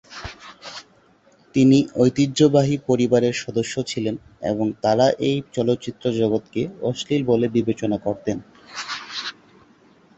তিনি একটি ঐতিহ্যবাহী পরিবারের সদস্য ছিলেন এবং তাঁরা এই চলচ্চিত্র জগতকে অশ্লীল বলে বিবেচনা করতেন।